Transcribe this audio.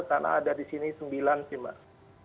karena ada disini sembilan sih mbak